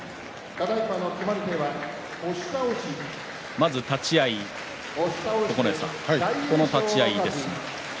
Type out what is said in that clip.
まず立ち合い、九重さん、この立ち合いですが。